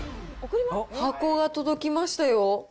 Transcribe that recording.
箱が届きましたよ。